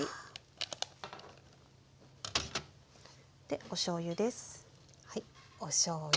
でおしょうゆです。